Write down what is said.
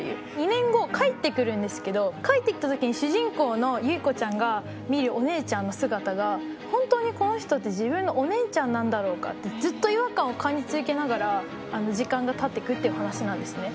２年後帰ってくるんですけど帰ってきた時に主人公の結衣子ちゃんが見るお姉ちゃんの姿が「本当にこの人って自分のお姉ちゃんなんだろうか？」ってずっと違和感を感じ続けながら時間がたってくってお話なんですね。